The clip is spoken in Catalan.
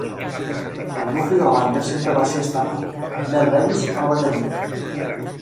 El nucli de la banda sempre va ser estable, amb Mel Lewis a la bateria.